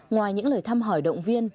ngoài những lời thăm hỏi động viên